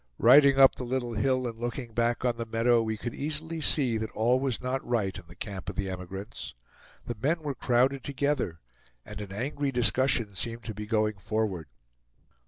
Riding up the little hill and looking back on the meadow, we could easily see that all was not right in the camp of the emigrants. The men were crowded together, and an angry discussion seemed to be going forward.